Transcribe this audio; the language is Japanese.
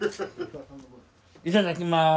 いただきます。